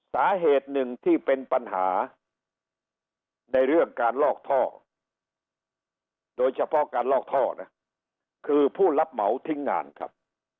สาเหตุหนึ่งที่เป็นปัญหาในเรื่องการลอกท่อโดยเฉพาะการลอกท่อนะคือผู้รับเหมาทิ้งงานครับ